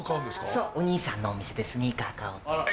そうお兄さんのお店でスニーカー買おうと思って。